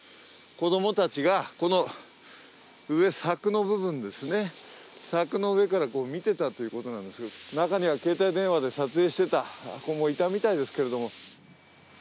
子供たちがこの上、柵の部分、柵の上から見ていたということなんですが中には携帯電話で撮影していた子もいたみたいですけれども。